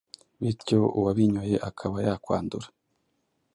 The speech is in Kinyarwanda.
bityo uwabinyoye akaba yakwandura